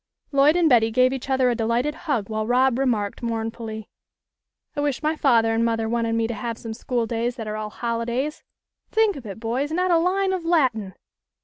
Lloyd and Betty gave each other a delighted hug while Rob remarked, mournfully, " I wish my father and mother wanted me to have some school days that are all holidays. Think, of it, boys, not a line of Latin."